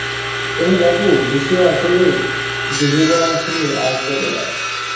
ওহে বাপু, যীশুও আসেননি, যিহোবাও আসেননি, আসবেনও না।